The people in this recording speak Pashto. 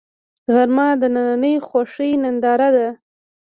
غرمه د دنننۍ خوښۍ ننداره ده